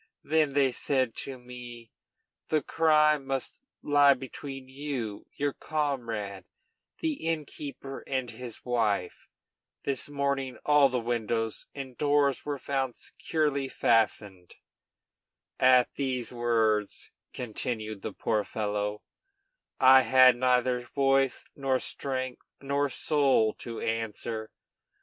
Then they said to me: 'The crime must lie between you, your comrade, the innkeeper, and his wife. This morning all the windows and doors were found securely fastened.' At those words," continued the poor fellow, "I had neither voice, nor strength, nor soul to answer.